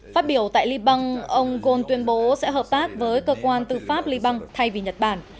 phát biểu tại liban ông ghosn tuyên bố sẽ hợp tác với cơ quan tư pháp liban thay vì nhật bản